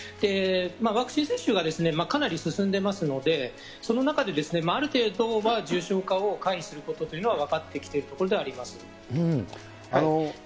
ワクチン接種がかなり進んでますので、その中で、ある程度は重症化を回避することというのは分かってきているところではあります。